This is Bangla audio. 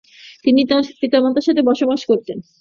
তিনি তার পিতামাতার সাথে বসবাস করতেন।